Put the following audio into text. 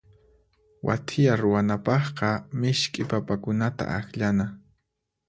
Wathiya ruwanapaqqa misk'i papakunata akllana.